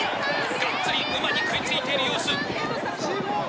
がっつりうまに食いついている様子。